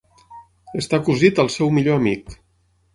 Està cosit al seu millor amic.